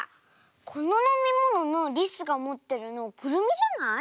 こののみもののりすがもってるのくるみじゃない？